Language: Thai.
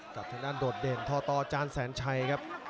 กับทางด้านโดดเด่นทตจานแสนชัยครับ